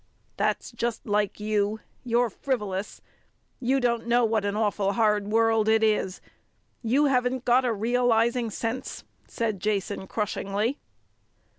"That's just like you. You're friv'lous. You don't know what an awful hard world it is. You haven't got a realizing sense," said Jason crushingly.